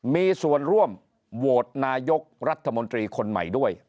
มีส่วนร่วมโหวตนายกรัฐมนตรีคนใหม่ด้วย